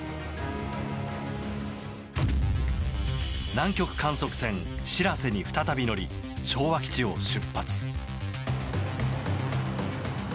南極観測船「しらせ」に再び乗り、昭和基地を出発。